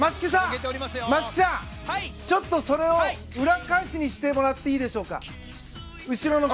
松木さん、ちょっとそれを裏返しにしてもらってもいいですか？